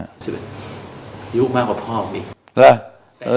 อายุมากกว่าพ่อของพี่